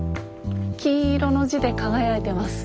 金色の字で輝いています。